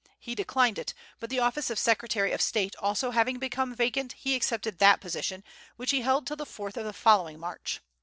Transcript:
He declined it; but the office of Secretary of State also having become vacant, he accepted that position, which he held till the fourth of the following March.